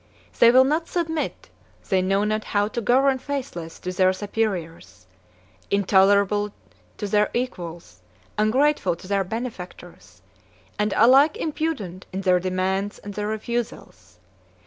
They will not submit; they know not how to govern faithless to their superiors, intolerable to their equals, ungrateful to their benefactors, and alike impudent in their demands and their refusals.